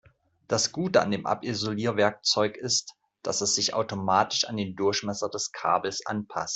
Das Gute an dem Abisolierwerkzeug ist, dass es sich automatisch an den Durchmesser des Kabels anpasst.